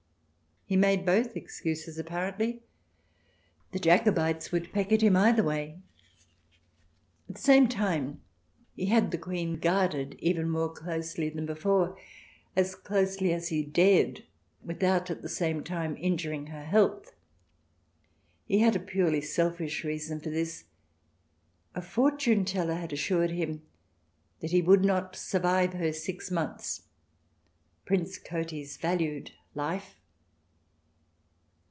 He made both excuses, apparently. The Jacobites would peck at him either way. At the same time, he had the Queen guarded even more closely than before, as closely as he dared, without, at the same time, injuring her health. He had a purely selfish reason for this ; a fortune teller had assured him that he would not survive her six months. Prince Cotys valued life.